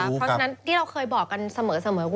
เพราะฉะนั้นที่เราเคยบอกกันเสมอว่า